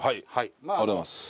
ありがとうございます。